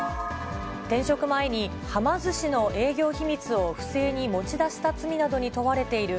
転職前に、はま寿司の営業秘密を不正に持ち出した罪などに問われている、